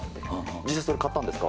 実際、それ買ったんですか。